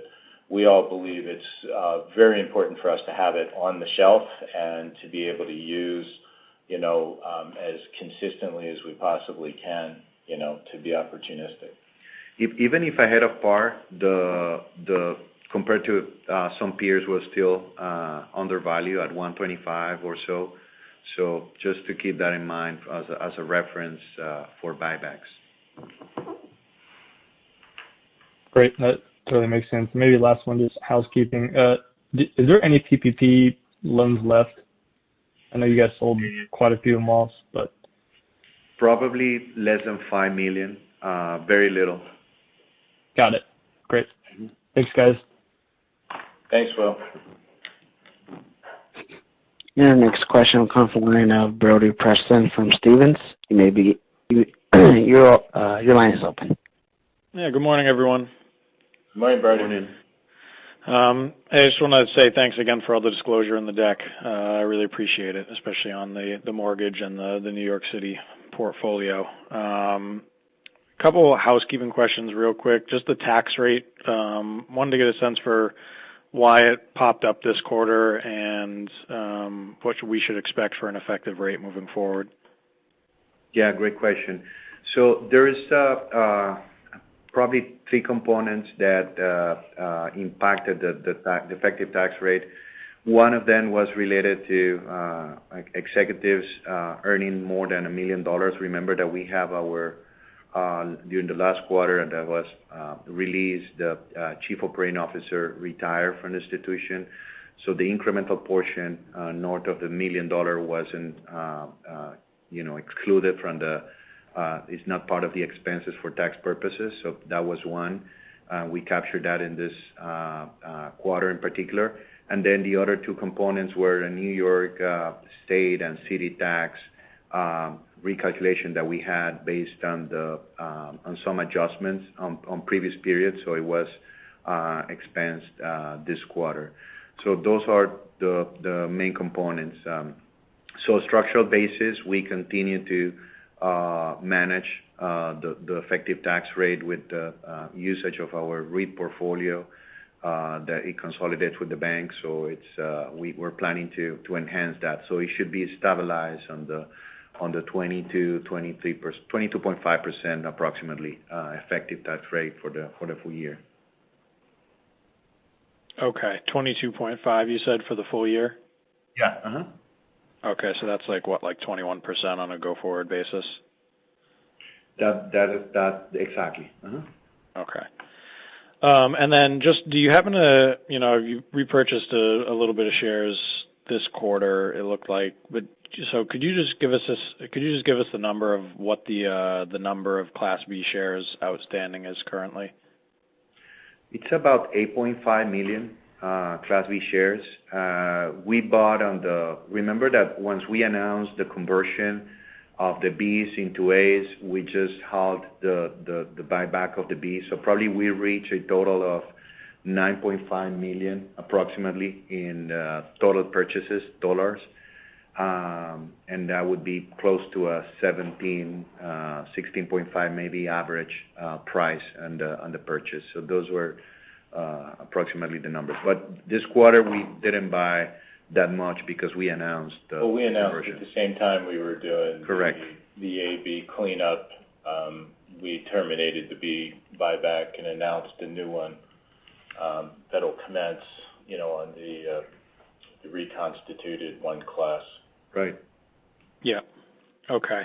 we all believe it's very important for us to have it on the shelf and to be able to use as consistently as we possibly can to be opportunistic.
Even if ahead of par, compared to some peers, we're still undervalue at 125 or so. Just to keep that in mind as a reference for buybacks.
Great. That totally makes sense. Maybe last one, just housekeeping. Is there any PPP loans left? I know you guys sold quite a few malls.
Probably less than $5 million. Very little.
Got it. Great. Thanks, guys.
Thanks, Will.
Our next question will come from the line of Brody Preston from Stephens.
Yeah. Good morning, everyone.
Morning, Brody.
Morning.
I just wanted to say thanks again for all the disclosure in the deck. I really appreciate it, especially on the mortgage and the New York City portfolio. Couple housekeeping questions real quick. Just the tax rate. Wanted to get a sense for why it popped up this quarter and what we should expect for an effective rate moving forward.
Yeah, great question. There is probably three components that impacted the effective tax rate. One of them was related to executives earning more than $1 million. Remember that during the last quarter that was released, the Chief Operating Officer retired from the institution. The incremental portion north of the $1 million is not part of the expenses for tax purposes. That was one. We captured that in this quarter in particular. The other two components were the New York State and City tax recalculation that we had based on some adjustments on previous periods. It was expensed this quarter. Those are the main components. Structural basis, we continue to manage the effective tax rate with the usage of our REIT portfolio that it consolidates with the bank. We're planning to enhance that. It should be stabilized on the 22.5%, approximately, effective tax rate for the full year.
Okay. 22.5, you said, for the full year?
Yeah. Mm-hmm.
Okay, that's what, 21% on a go-forward basis?
Exactly. Mm-hmm.
Okay. Then, you repurchased a little bit of shares this quarter, it looked like. Could you just give us the number of what the number of Class B shares outstanding is currently?
It's about 8.5 million Class B shares. Remember that once we announced the conversion of the Bs into As, we just halt the buyback of the Bs. Probably we reach a total of $9.5 million, approximately, in total purchases. That would be close to a $17, $16.5 maybe average price on the purchase. Those were approximately the numbers. This quarter, we didn't buy that much because we announced the conversion.
Well, we announced at the same time we were.
Correct
the A/B cleanup. We terminated the B buyback and announced a new one that'll commence on the reconstituted one class.
Right.
Yeah. Okay.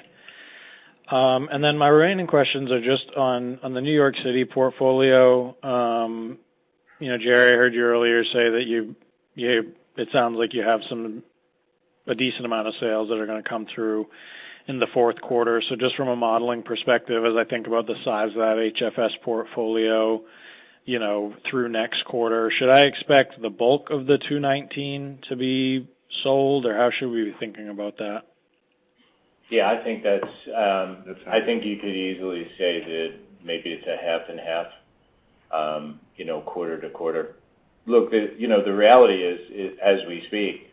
My remaining questions are just on the New York City portfolio. Jerry, I heard you earlier say that it sounds like you have a decent amount of sales that are going to come through in the fourth quarter. Just from a modeling perspective, as I think about the size of that HFS portfolio through next quarter, should I expect the bulk of the $219 to be sold? Or how should we be thinking about that?
Yeah, I think you could easily say that maybe it's a half and half quarter to quarter. Look, the reality is, as we speak,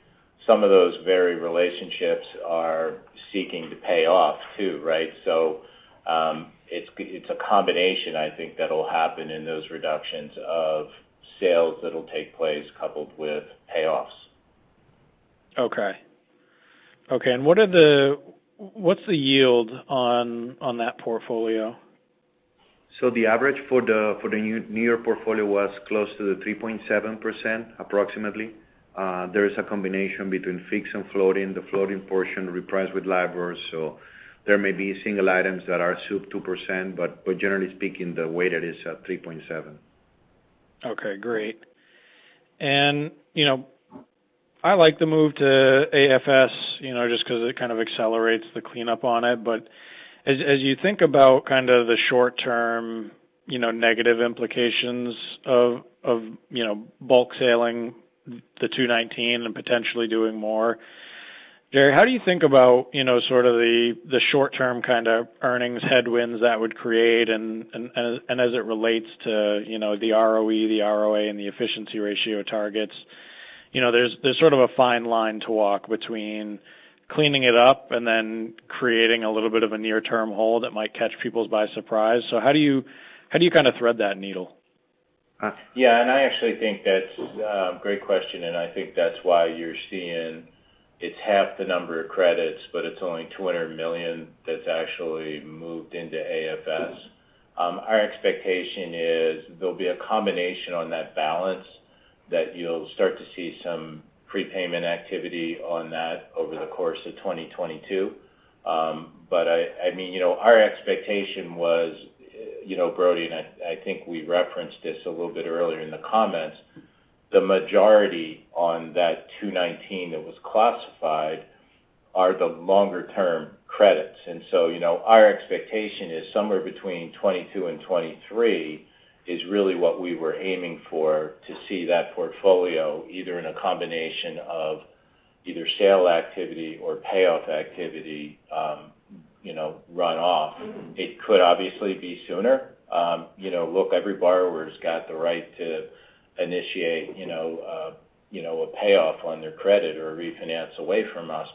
some of those very relationships are seeking to pay off, too, right? It's a combination, I think, that'll happen in those reductions of sales that'll take place coupled with payoffs.
Okay. What's the yield on that portfolio?
The average for the New York portfolio was close to the 3.7%, approximately. There is a combination between fixed and floating. The floating portion repriced with LIBOR. There may be single items that are still 2%, but generally speaking, the weighted is at 3.7%.
Okay, great. I like the move to AFS, just because it kind of accelerates the cleanup on it. As you think about kind of the short-term negative implications of bulk selling the 219 and potentially doing more, Jerry, how do you think about sort of the short-term kind of earnings headwinds that would create and as it relates to the ROE, the ROA, and the efficiency ratio targets? There's sort of a fine line to walk between cleaning it up and then creating a little bit of a near-term hole that might catch people by surprise. How do you kind of thread that needle?
I actually think that's a great question, and I think that's why you're seeing it's half the number of credits, but it's only $200 million that's actually moved into AFS. Our expectation is there'll be a combination on that balance that you'll start to see some prepayment activity on that over the course of 2022. Our expectation was, Brody, and I think we referenced this a little bit earlier in the comments, the majority on that $219 that was classified are the longer term credits. Our expectation is somewhere between 2022 and 2023 is really what we were aiming for to see that portfolio either in a combination of either sale activity or payoff activity run off. It could obviously be sooner. Look, every borrower's got the right to initiate a payoff on their credit or refinance away from us.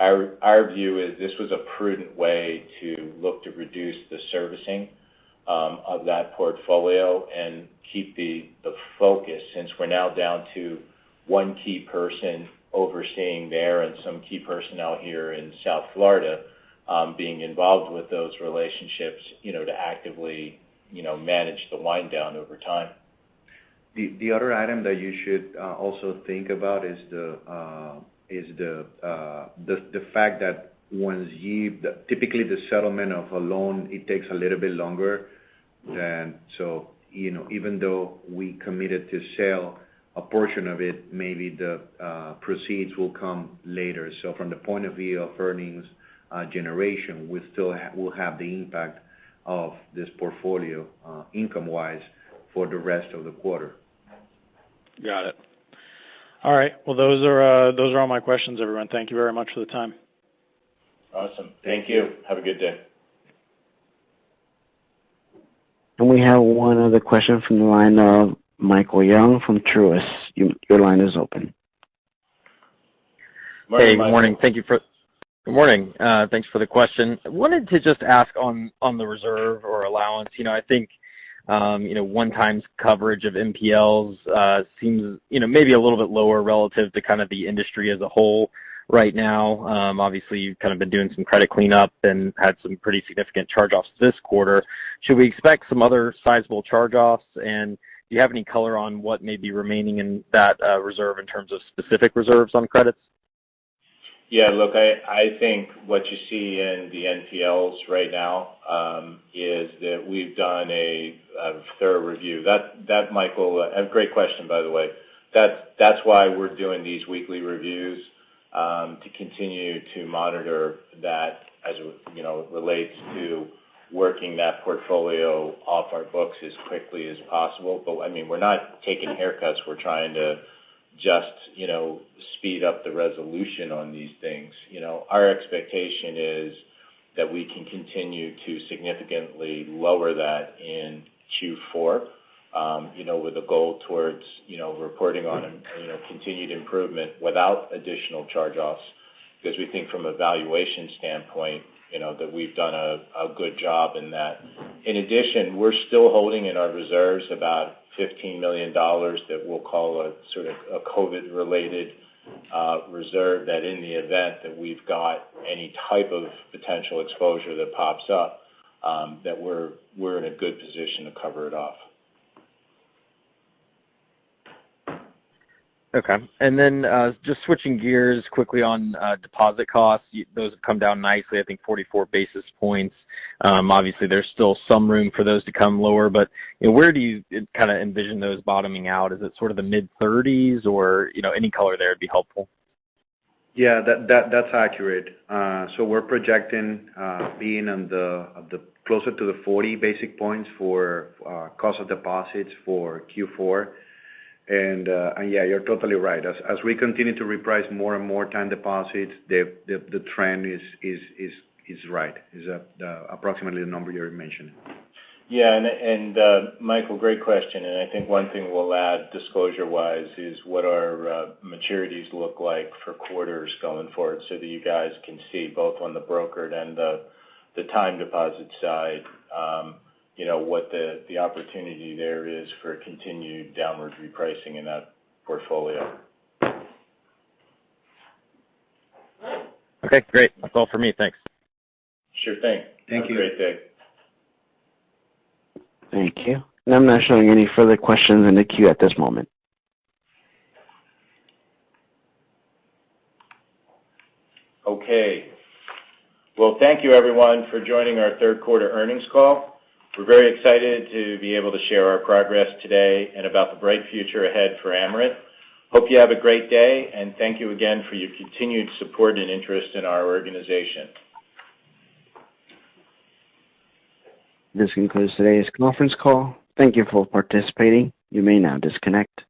Our view is this was a prudent way to look to reduce the servicing of that portfolio and keep the focus, since we're now down to one key person overseeing there and some key personnel here in South Florida being involved with those relationships to actively manage the wind down over time.
The other item that you should also think about is the fact that typically the settlement of a loan, it takes a little bit longer. Even though we committed to sell a portion of it, maybe the proceeds will come later. From the point of view of earnings generation, we still will have the impact of this portfolio income-wise for the rest of the quarter.
Got it. All right. Well, those are all my questions, everyone. Thank you very much for the time.
Awesome. Thank you. Have a good day.
We have one other question from the line of Michael Young from Truist. Your line is open.
Morning, Michael.
Hey, morning. Thanks for the question. I wanted to just ask on the reserve or allowance. I think 1 times coverage of NPLs seems maybe a little bit lower relative to kind of the industry as a whole right now. Obviously, you've kind of been doing some credit cleanup and had some pretty significant charge-offs this quarter. Should we expect some other sizable charge-offs? Do you have any color on what may be remaining in that reserve in terms of specific reserves on credits?
Yeah, look, I think what you see in the NPLs right now is that we've done a thorough review. Michael, great question, by the way. That's why we're doing these weekly reviews, to continue to monitor that as it relates to working that portfolio off our books as quickly as possible. We're not taking haircuts. We're trying to just speed up the resolution on these things. Our expectation is that we can continue to significantly lower that in Q4 with a goal towards reporting on continued improvement without additional charge-offs, because we think from a valuation standpoint that we've done a good job in that. In addition, we're still holding in our reserves about $15 million that we'll call a sort of COVID-related reserve that in the event that we've got any type of potential exposure that pops up, that we're in a good position to cover it off.
Okay. Just switching gears quickly on deposit costs. Those have come down nicely, I think 44 basis points. Obviously, there is still some room for those to come lower, but where do you kind of envision those bottoming out? Is it sort of the mid-thirties, or any color there would be helpful.
Yeah, that's accurate. We're projecting being closer to the 40 basis points for cost of deposits for Q4. Yeah, you're totally right. As we continue to reprice more and more time deposits, the trend is right, is approximately the number you're mentioning.
Yeah. Michael, great question. I think one thing we'll add disclosure-wise is what our maturities look like for quarters going forward so that you guys can see both on the brokered and the time deposit side what the opportunity there is for continued downward repricing in that portfolio.
Okay, great. That's all for me. Thanks.
Sure thing.
Thank you.
Have a great day.
Thank you. I'm not showing any further questions in the queue at this moment.
Okay. Well, thank you everyone for joining our third quarter earnings call. We're very excited to be able to share our progress today and about the bright future ahead for Amerant. Hope you have a great day, and thank you again for your continued support and interest in our organization.
This concludes today's Conference call. Thank you for participating. You may now disconnect.